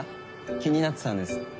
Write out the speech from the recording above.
気になってたんです。